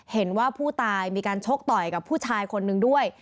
เห็นว่าผู้ตายมีการชกต่อยกับผู้ชายคนนึงด้วย